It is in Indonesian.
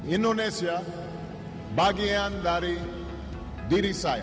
indonesia bagian dari diri saya